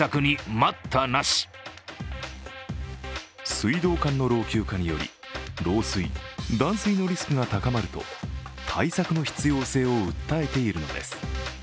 水道管の老朽化により漏水・断水のリスクが高まると対策の必要性を訴えているのです。